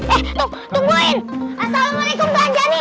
assalamualaikum kak anjani